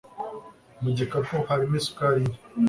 Mu gikapu harimo isukari nke.